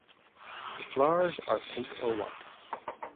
The flowers are pink or white.